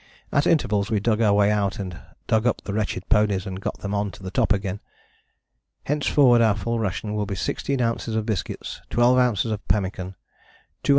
At intervals we dug our way out and dug up the wretched ponies, and got them on to the top again. "Henceforward our full ration will be 16 oz. biscuit, 12 oz. pemmican, 2 oz.